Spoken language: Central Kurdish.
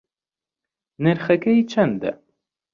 نرخەکەی چەندە